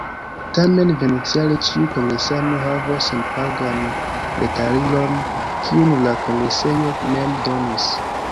Tamen venontjare ĉiu kongresano havos senpagan retaliron, kiun la kongresejo mem donis.